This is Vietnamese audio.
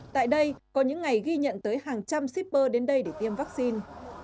tại đây có những ngày ghi nhận tới hàng trăm shipper đến đây để tiêm vaccine